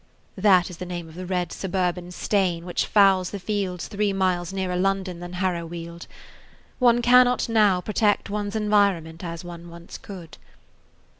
That is the name of the red suburban stain which fouls the fields three miles nearer London than Harrowweald. One cannot now protect one's environment as one once could.